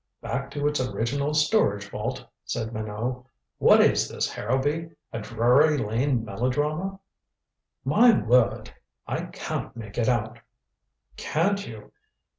"Back to its original storage vault," said Minot. "What is this, Harrowby? A Drury Lane melodrama?" "My word. I can't make it out." "Can't you?